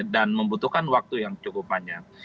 dan membutuhkan waktu yang cukup panjang